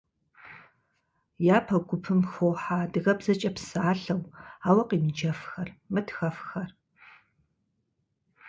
Япэ гупым хохьэ адыгэбзэкӏэ псалъэу, ауэ къемыджэфхэр, мытхэфхэр.